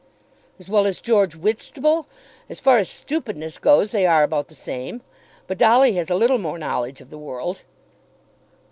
"As well as George Whitstable? As far as stupidness goes they are about the same. But Dolly has a little more knowledge of the world."